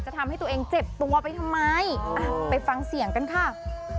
ทำให้ตัวเองเจ็บตัวไปทำไมอ่ะไปฟังเสียงกันค่ะ